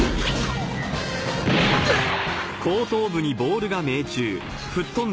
うっ！